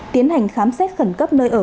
tiến hành khám xét khẩn cấp nơi ở